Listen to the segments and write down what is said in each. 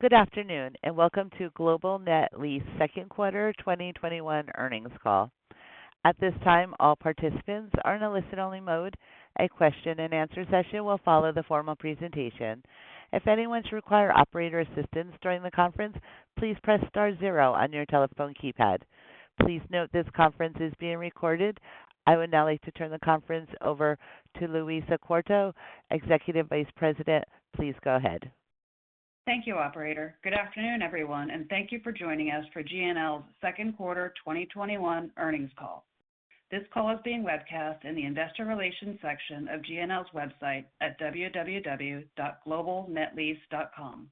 Good afternoon, welcome to Global Net Lease second quarter 2021 earnings call. At this time, all participants are in a listen-only mode. A question-and-answer session will follow the formal presentation. If anyone should require operator assistance during the conference, please press star zero on your telephone keypad. Please note this conference is being recorded. I would now like to turn the conference over to Louisa Quarto, Executive Vice President. Please go ahead. Thank you, operator. Good afternoon, everyone. Thank you for joining us for GNL's second quarter 2021 earnings call. This call is being webcast in the investor relations section of GNL's website at www.globalnetlease.com.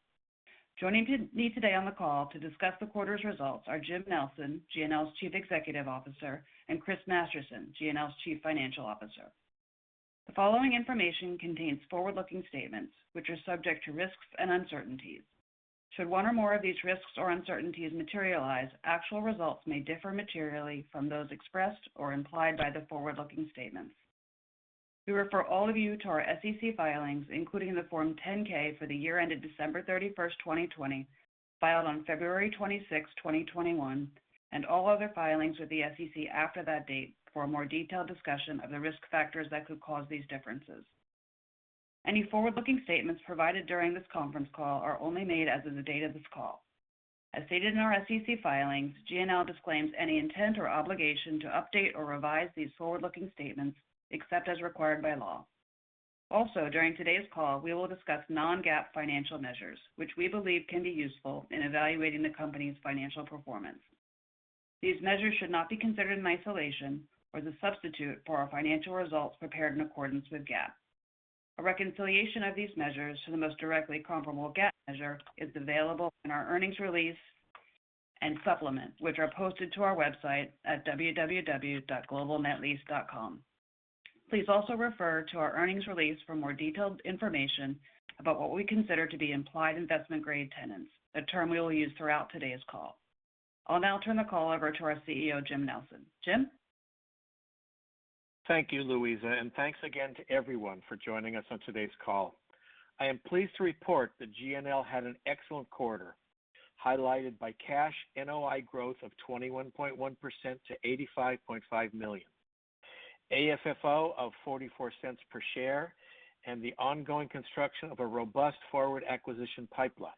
Joining me today on the call to discuss the quarter's results are Jim Nelson, GNL's Chief Executive Officer, and Chris Masterson, GNL's Chief Financial Officer. The following information contains forward-looking statements, which are subject to risks and uncertainties. Should one or more of these risks or uncertainties materialize, actual results may differ materially from those expressed or implied by the forward-looking statements. We refer all of you to our SEC filings, including the Form 10-K for the year ended December 31st, 2020, filed on February 26th, 2021, and all other filings with the SEC after that date for a more detailed discussion of the risk factors that could cause these differences. Any forward-looking statements provided during this conference call are only made as of the date of this call. As stated in our SEC filings, GNL disclaims any intent or obligation to update or revise these forward-looking statements except as required by law. Also, during today's call, we will discuss non-GAAP financial measures, which we believe can be useful in evaluating the company's financial performance. These measures should not be considered in isolation or as a substitute for our financial results prepared in accordance with GAAP. A reconciliation of these measures to the most directly comparable GAAP measure is available in our earnings release and supplement, which are posted to our website at www.globalnetlease.com. Please also refer to our earnings release for more detailed information about what we consider to be implied investment-grade tenants, a term we will use throughout today's call. I'll now turn the call over to our CEO, Jim Nelson. Jim? Thank you, Louisa, and thanks again to everyone for joining us on today's call. I am pleased to report that GNL had an excellent quarter, highlighted by Cash NOI growth of 21.1% to $85.5 million, AFFO of $0.44 per share, and the ongoing construction of a robust forward acquisition pipeline,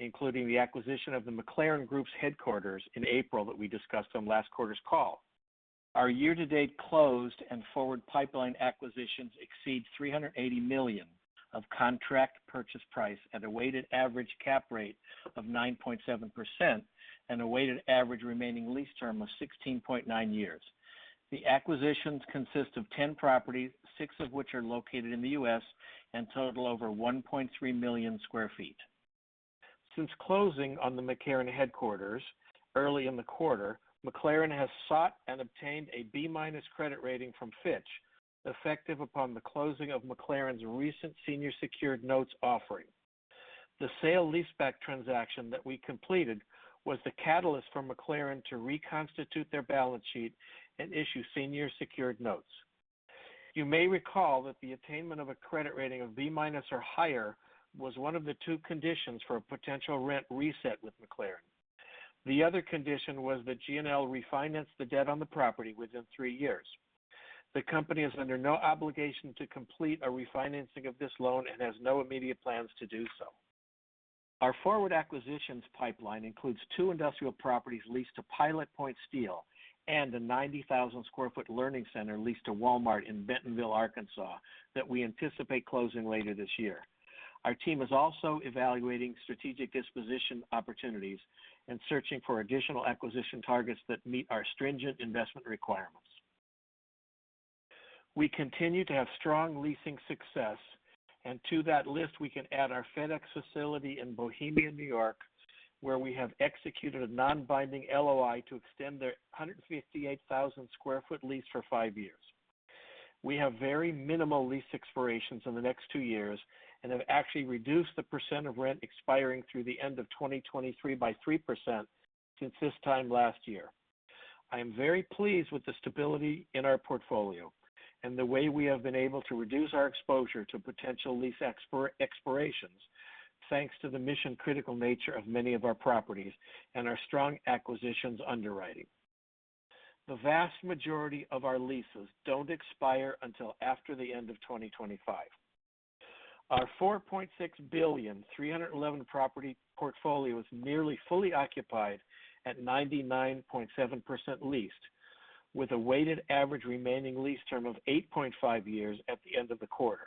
including the acquisition of the McLaren Group's headquarters in April that we discussed on last quarter's call. Our year-to-date closed and forward pipeline acquisitions exceed $380 million of contract purchase price at a weighted average cap rate of 9.7% and a weighted average remaining lease term of 16.9 years. The acquisitions consist of 10 properties, six of which are located in the U.S., and total over 1.3 million sq ft. Since closing on the McLaren headquarters early in the quarter, McLaren has sought and obtained a B- credit rating from Fitch, effective upon the closing of McLaren's recent senior secured notes offering. The sale leaseback transaction that we completed was the catalyst for McLaren to reconstitute their balance sheet and issue senior secured notes. You may recall that the attainment of a credit rating of B- or higher was one of the two conditions for a potential rent reset with McLaren. The other condition was that GNL refinance the debt on the property within three years. The company is under no obligation to complete a refinancing of this loan and has no immediate plans to do so. Our forward acquisitions pipeline includes two industrial properties leased to Pilot Point Steel and a 90,000 sq ft learning center leased to Walmart in Bentonville, Arkansas, that we anticipate closing later this year. Our team is also evaluating strategic disposition opportunities and searching for additional acquisition targets that meet our stringent investment requirements. We continue to have strong leasing success, and to that list, we can add our FedEx facility in Bohemia, New York, where we have executed a non-binding LOI to extend their 158,000 sq ft lease for five years. We have very minimal lease expirations in the next two years and have actually reduced the percent of rent expiring through the end of 2023 by 3% since this time last year. I am very pleased with the stability in our portfolio and the way we have been able to reduce our exposure to potential lease expirations, thanks to the mission-critical nature of many of our properties and our strong acquisitions underwriting. The vast majority of our leases don't expire until after the end of 2025. Our $4.6 billion, 311 property portfolio is nearly fully occupied at 99.7% leased, with a weighted average remaining lease term of 8.5 years at the end of the quarter.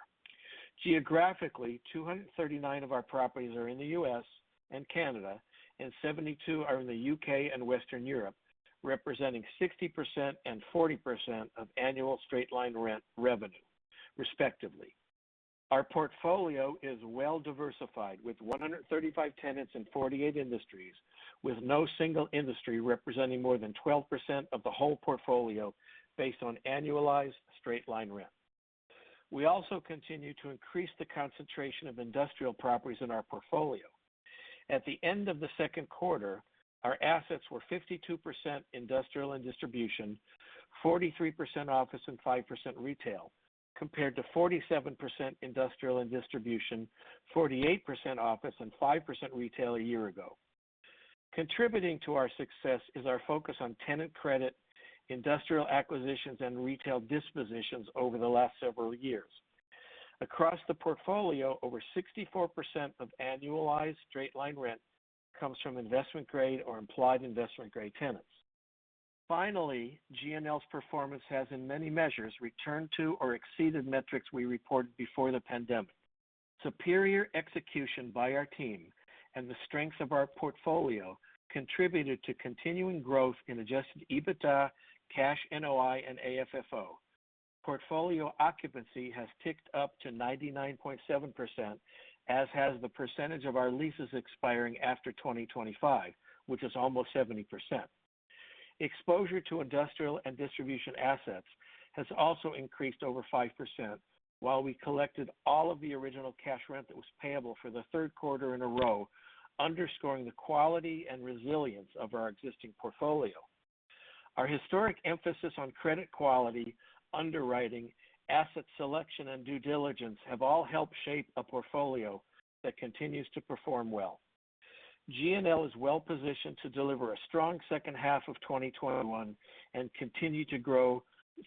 Geographically, 239 of our properties are in the U.S. and Canada, and 72 are in the U.K. and Western Europe, representing 60% and 40% of annual straight-line rent revenue, respectively. Our portfolio is well diversified, with 135 tenants in 48 industries, with no single industry representing more than 12% of the whole portfolio based on annualized straight-line rent. We also continue to increase the concentration of industrial properties in our portfolio. At the end of the second quarter, our assets were 52% industrial and distribution, 43% office, and 5% retail, compared to 47% industrial and distribution, 48% office, and 5% retail a year ago. Contributing to our success is our focus on tenant credit, industrial acquisitions, and retail dispositions over the last several years. Across the portfolio, over 64% of annualized straight-line rent comes from investment-grade or implied investment-grade tenants. Finally, GNL's performance has, in many measures, returned to or exceeded metrics we reported before the pandemic. Superior execution by our team and the strength of our portfolio contributed to continuing growth in adjusted EBITDA, Cash NOI, and AFFO. Portfolio occupancy has ticked up to 99.7%, as has the percentage of our leases expiring after 2025, which is almost 70%. Exposure to industrial and distribution assets has also increased over 5%, while we collected all of the original cash rent that was payable for the third quarter in a row, underscoring the quality and resilience of our existing portfolio. Our historic emphasis on credit quality, underwriting, asset selection, and due diligence have all helped shape a portfolio that continues to perform well. GNL is well positioned to deliver a strong second half of 2021 and continue to grow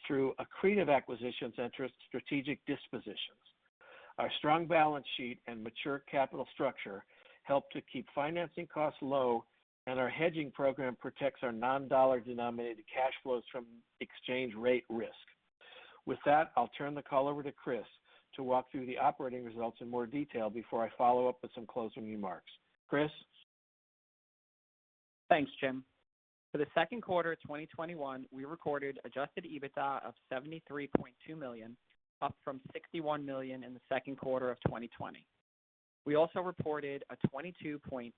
through accretive acquisitions and through strategic dispositions. Our strong balance sheet and mature capital structure help to keep financing costs low, and our hedging program protects our non-dollar denominated cash flows from exchange rate risk. With that, I'll turn the call over to Chris to walk through the operating results in more detail before I follow up with some closing remarks. Chris? Thanks, Jim. For the second quarter of 2021, we recorded adjusted EBITDA of $73.2 million, up from $61 million in the second quarter of 2020. We also reported a 22.8%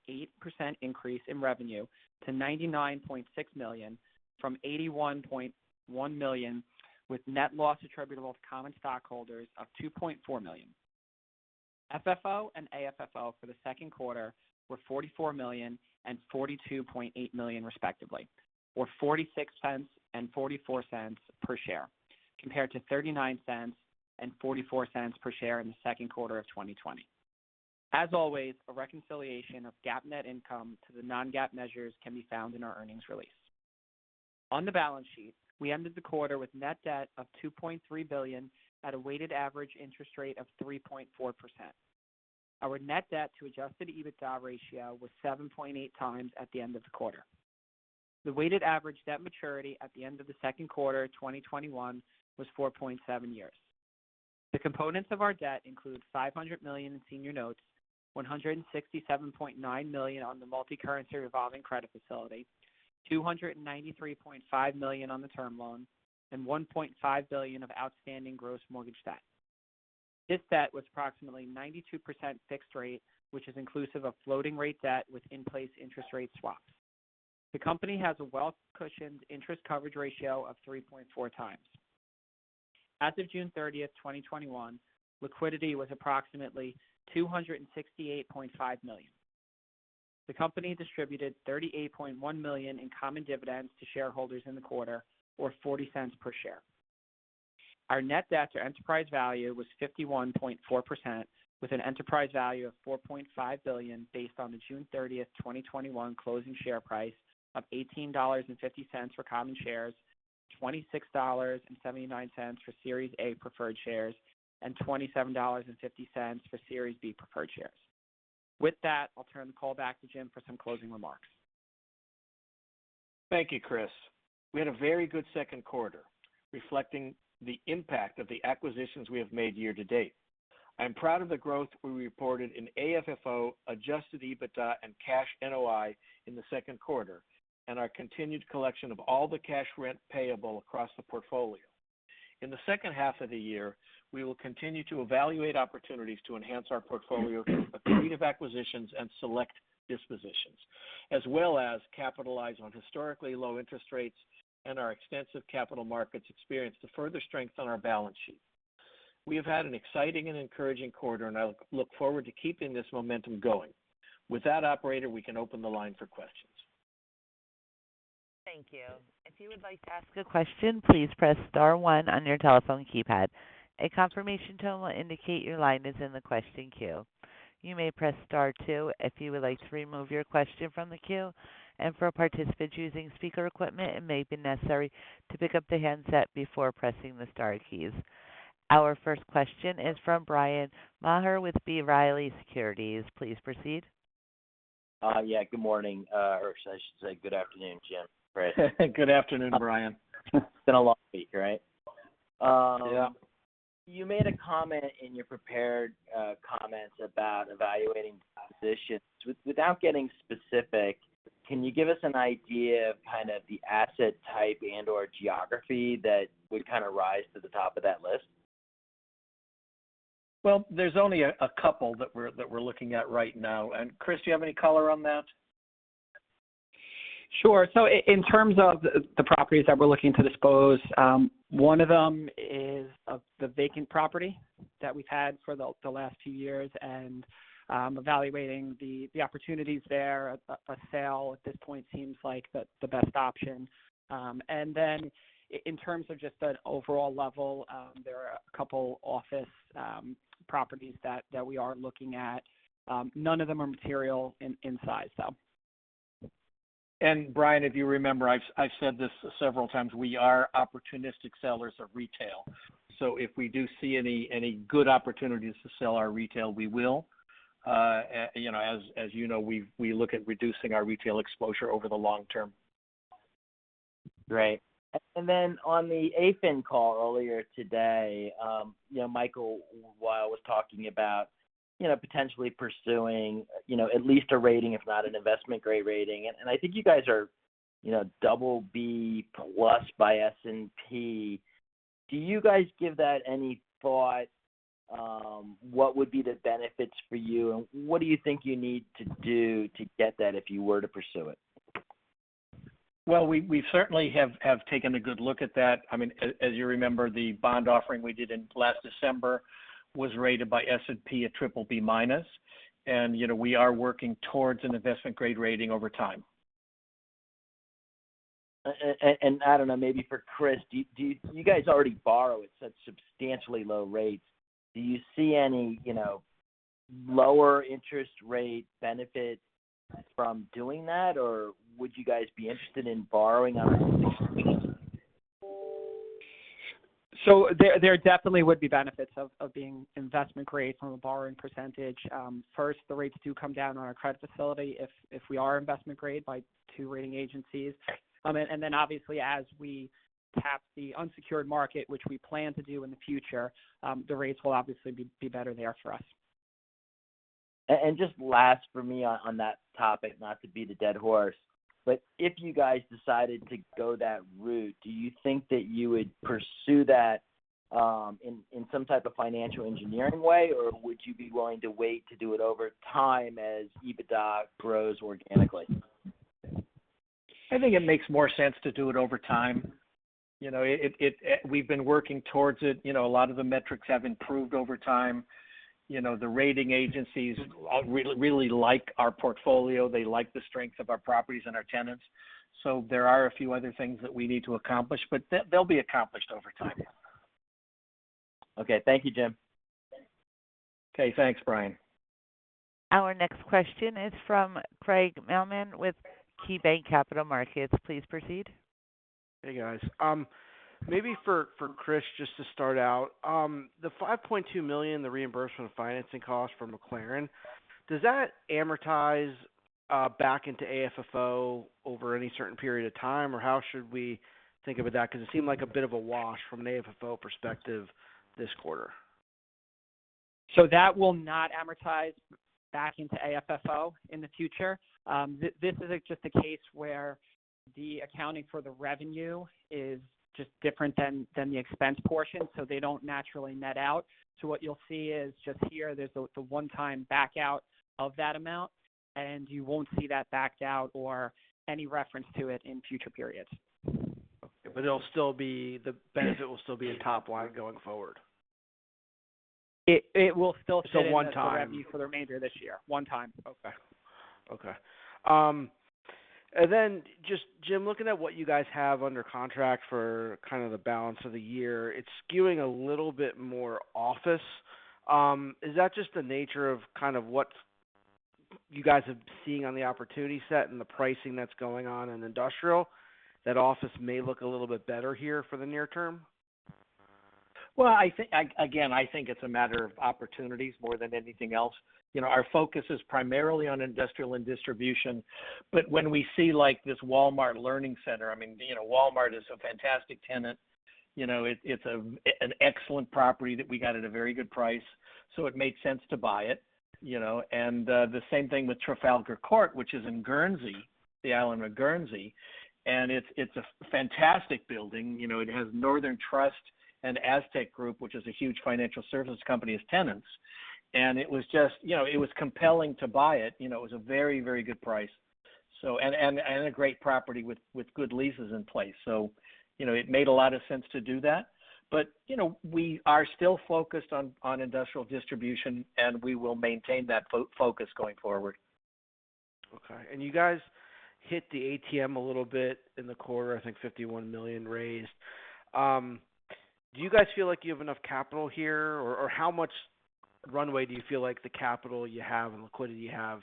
increase in revenue to $99.6 million from $81.1 million, with net loss attributable to common stockholders of $2.4 million. FFO and AFFO for the second quarter were $44 million and $42.8 million respectively, or $0.46 and $0.44 per share, compared to $0.39 and $0.44 per share in the second quarter of 2020. As always, a reconciliation of GAAP net income to the non-GAAP measures can be found in our earnings release. On the balance sheet, we ended the quarter with net debt of $2.3 billion at a weighted average interest rate of 3.4%. Our net debt to adjusted EBITDA ratio was 7.8x at the end of the quarter. The weighted average debt maturity at the end of the second quarter 2021 was 4.7 years. The components of our debt include $500 million in senior notes, $167.9 million on the multicurrency revolving credit facility, $293.5 million on the term loan, and $1.5 billion of outstanding gross mortgage debt. This debt was approximately 92% fixed rate, which is inclusive of floating rate debt with in-place interest rate swaps. The company has a well-cushioned interest coverage ratio of 3.4x. As of June 30th, 2021, liquidity was approximately $268.5 million. The company distributed $38.1 million in common dividends to shareholders in the quarter, or $0.40 per share. Our net debt to enterprise value was 51.4%, with an enterprise value of $4.5 billion, based on the June 30th, 2021 closing share price of $18.50 for common shares, $26.79 for Series A preferred shares, and $27.50 for Series B preferred shares. With that, I'll turn the call back to James for some closing remarks. Thank you, Chris. We had a very good second quarter, reflecting the impact of the acquisitions we have made year to date. I'm proud of the growth we reported in AFFO, adjusted EBITDA, and Cash NOI in the second quarter, and our continued collection of all the cash rent payable across the portfolio. In the second half of the year, we will continue to evaluate opportunities to enhance our portfolio through accretive acquisitions and select dispositions, as well as capitalize on historically low interest rates and our extensive capital markets experience to further strengthen our balance sheet. We have had an exciting and encouraging quarter, and I look forward to keeping this momentum going. With that, operator, we can open the line for questions. Thank you. If you would like to ask a question, please press star one on your telephone keypad. A confirmation tone will indicate your line is in the question queue. You may press star two if you would like to remove your question from the queue. For participants using speaker equipment, it may be necessary to pick up the handset before pressing the star keys. Our first question is from Bryan Maher with B. Riley Securities. Please proceed. Yeah. Good morning. I should say good afternoon, Jim. Good afternoon, Bryan. It's been a long week, right? Yeah. You made a comment in your prepared comments about evaluating positions. Without getting specific, can you give us an idea of kind of the asset type and/or geography that would kind of rise to the top of that list? Well, there's only a couple that we're looking at right now. Chris, do you have any color on that? Sure. In terms of the properties that we're looking to dispose, one of them is the vacant property that we've had for the last two years and evaluating the opportunities there. A sale at this point seems like the best option. In terms of just an overall level, there are a couple office properties that we are looking at. None of them are material in size, though. Bryan, if you remember, I've said this several times, we are opportunistic sellers of retail. If we do see any good opportunities to sell our retail, we will. As you know, we look at reducing our retail exposure over the long term. Great. Then on the AFIN call earlier today, Michael Weil was talking about potentially pursuing at least a rating, if not an investment-grade rating. I think you guys are BB+ by S&P. Do you guys give that any thought? What would be the benefits for you, and what do you think you need to do to get that if you were to pursue it? Well, we certainly have taken a good look at that. As you remember, the bond offering we did in last December was rated by S&P a BBB-, we are working towards an investment-grade rating over time. I don't know, maybe for Chris, you guys already borrow at such substantially low rates. Do you see any lower interest rate benefits from doing that, or would you guys be interested in borrowing on an There definitely would be benefits of being investment grade from a borrowing percentage. First, the rates do come down on our credit facility if we are investment grade by two rating agencies. Then obviously as we tap the unsecured market, which we plan to do in the future, the rates will obviously be better there for us. Just last for me on that topic, not to beat a dead horse, but if you guys decided to go that route, do you think that you would pursue that in some type of financial engineering way, or would you be willing to wait to do it over time as EBITDA grows organically? I think it makes more sense to do it over time. We've been working towards it. A lot of the metrics have improved over time. The rating agencies really like our portfolio. They like the strength of our properties and our tenants. There are a few other things that we need to accomplish, but they'll be accomplished over time. Okay. Thank you, Jim. Okay. Thanks, Bryan. Our next question is from Craig Mailman with KeyBanc Capital Markets. Please proceed. Hey, guys. Maybe for Chris, just to start out. The $5.2 million, the reimbursement of financing costs for McLaren, does that amortize back into AFFO over any certain period of time, or how should we think about that? Because it seemed like a bit of a wash from an AFFO perspective this quarter. That will not amortize back into AFFO in the future. This is just a case where the accounting for the revenue is just different than the expense portion, so they don't naturally net out. What you'll see is just here, there's the one-time back out of that amount, and you won't see that backed out or any reference to it in future periods. Okay. The benefit will still be in top line going forward. It will still sit. The one time. As a revenue for the remainder of this year. One time. Okay. Just Jim, looking at what you guys have under contract for kind of the balance of the year, it's skewing a little bit more office. Is that just the nature of kind of what you guys have been seeing on the opportunity set and the pricing that's going on in industrial, that office may look a little bit better here for the near term? Again, I think it's a matter of opportunities more than anything else. Our focus is primarily on industrial and distribution, but when we see this Walmart Learning Center, Walmart is a fantastic tenant. It's an excellent property that we got at a very good price, so it made sense to buy it. The same thing with Trafalgar Court, which is in Guernsey, the island of Guernsey, and it's a fantastic building. It has Northern Trust and Aztec Group, which is a huge financial service company, as tenants. It was compelling to buy it. It was a very good price and a great property with good leases in place. It made a lot of sense to do that. We are still focused on industrial distribution, and we will maintain that focus going forward. Okay. You guys hit the ATM a little bit in the quarter, I think $51 million raised. Do you guys feel like you have enough capital here, or how much runway do you feel like the capital you have and liquidity you have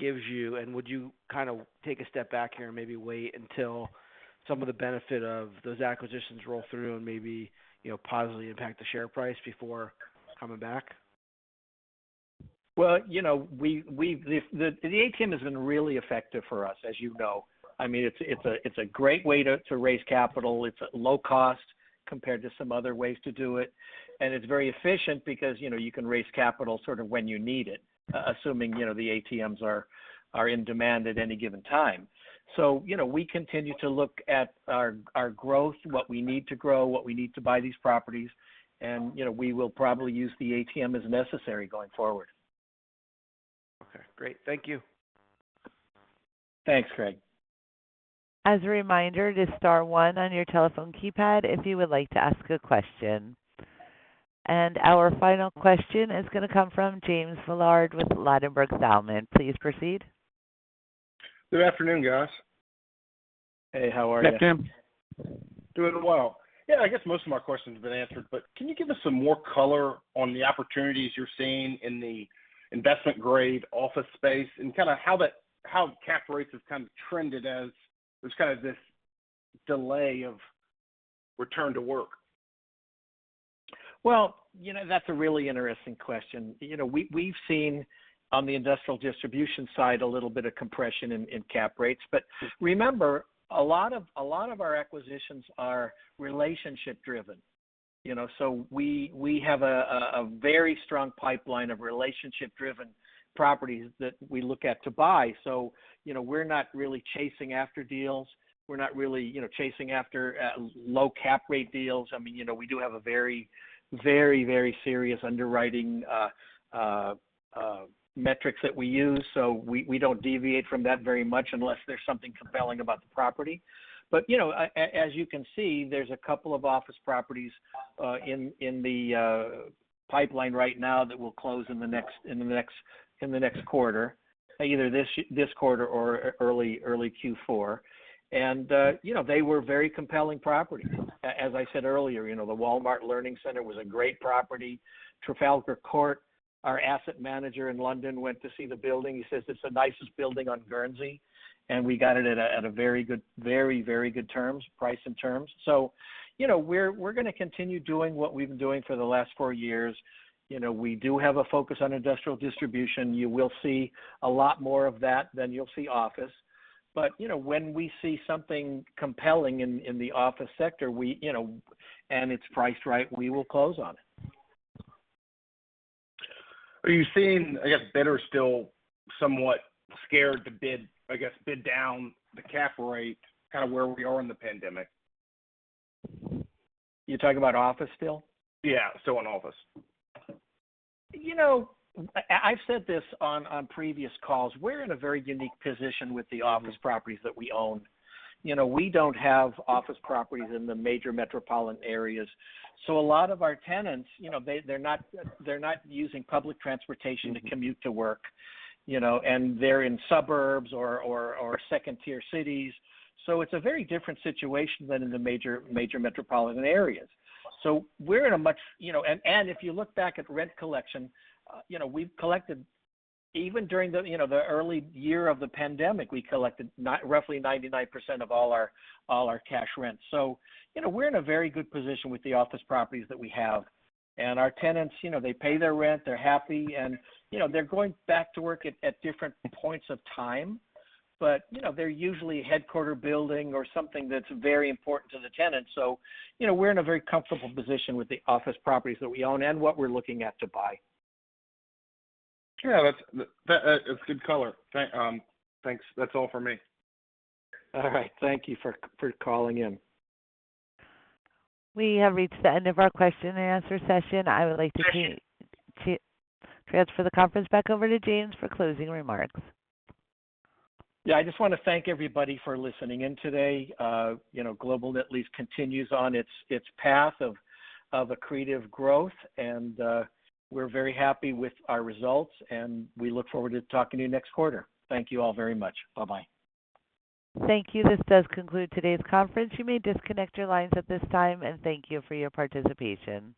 gives you, and would you kind of take a step back here and maybe wait until some of the benefit of those acquisitions roll through and maybe positively impact the share price before coming back? Well, the ATM has been really effective for us, as you know. It's a great way to raise capital. It's low cost compared to some other ways to do it, and it's very efficient because you can raise capital sort of when you need it, assuming the ATMs are in demand at any given time. We continue to look at our growth, what we need to grow, what we need to buy these properties, and we will probably use the ATM as necessary going forward. Okay, great. Thank you. Thanks, Craig. As a reminder, it is star one on your telephone keypad if you would like to ask a question. Our final question is going to come from James Villard with Ladenburg Thalmann. Please proceed. Good afternoon, guys. Hey, how are you? Yes, Jim. Doing well. Yeah, I guess most of my questions have been answered. Can you give us some more color on the opportunities you're seeing in the investment-grade office space and kind of how cap rates have trended as there's kind of this delay of return to work? That's a really interesting question. Remember, a lot of our acquisitions are relationship-driven. We have a very strong pipeline of relationship-driven properties that we look at to buy. We're not really chasing after deals. We're not really chasing after low cap rate deals. We do have a very, very serious underwriting metrics that we use. We don't deviate from that very much unless there's something compelling about the property. As you can see, there's a couple of office properties in the pipeline right now that will close in the next quarter, either this quarter or early Q4. They were very compelling properties. As I said earlier, the Walmart Learning Center was a great property. Trafalgar Court, our asset manager in London went to see the building. He says it's the nicest building on Guernsey, and we got it at a very good terms, price, and terms. We're going to continue doing what we've been doing for the last four years. We do have a focus on industrial distribution. You will see a lot more of that than you'll see office. When we see something compelling in the office sector and it's priced right, we will close on it. Are you seeing, I guess, bidders still somewhat scared to, I guess, bid down the cap rate, kind of where we are in the pandemic? You're talking about office still? Yeah, still on office. I've said this on previous calls. We're in a very unique position with the office properties that we own. We don't have office properties in the major metropolitan areas. A lot of our tenants, they're not using public transportation to commute to work. They're in suburbs or second-tier cities. It's a very different situation than in the major metropolitan areas. If you look back at rent collection, we've collected even during the early year of the pandemic, we collected roughly 99% of all our cash rents. We're in a very good position with the office properties that we have. Our tenants, they pay their rent. They're happy, and they're going back to work at different points of time. They're usually headquarter building or something that's very important to the tenant. We're in a very comfortable position with the office properties that we own and what we're looking at to buy. Yeah, that's good color. Thanks. That's all for me. All right. Thank you for calling in. We have reached the end of our question-and-answer session. I will like to transfer the conference back over to James for closing remarks. Yeah, I just want to thank everybody for listening in today. Global Net Lease continues on its path of accretive growth, and we're very happy with our results, and we look forward to talking to you next quarter. Thank you all very much. Bye-bye. Thank you. This does conclude today's conference. You may disconnect your lines at this time, and thank you for your participation.